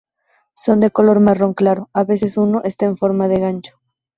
Son de color marrón claro a veces uno está en forma de gancho.